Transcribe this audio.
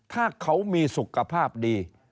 ถ้าเขามีสุขภาพดี